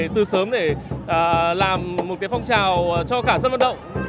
từ sớm để làm một phong trào cho cả dân vận động